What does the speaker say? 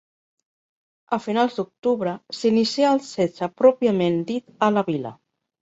A finals d'octubre s'inicià el setge pròpiament dit a la Vila.